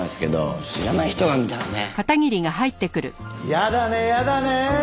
やだねやだね！